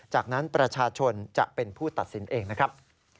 จากนั้นประชาชนจะเป็นผู้ตัดสินเองนะครับ